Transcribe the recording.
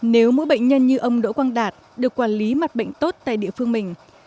nếu mỗi bệnh nhân như ông đỗ quang đạt được quản lý mặt bệnh tốt tại địa phương mình